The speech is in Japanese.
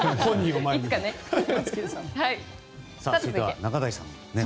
続いては仲代さん。